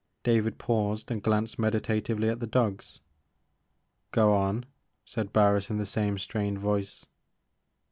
David paused and glanced meditatively at the dogs. Go on,* 'said Barris in the same strained voice.